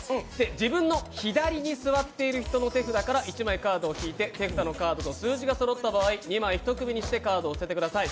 自分の左に座っている人の手札から１枚カードを引いて手札のカードと数字がそろった場合、２枚１組にしてカードを捨ててください。